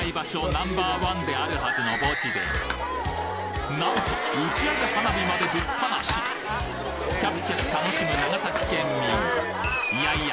Ｎｏ．１であるはずの墓地でなんと打ち上げ花火までぶっ放しキャピキャピ楽しむ長崎県民いやいや